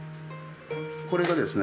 これがですね